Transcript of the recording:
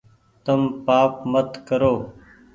تم پآپ مت ڪرو